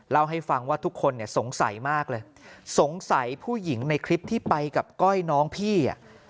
เล่าให้ฟังว่าทุกคนเนี่ยสงสัยมากเลยสงสัยผู้หญิงในคลิปที่ไปกับก้อยน้องพี่อ่ะ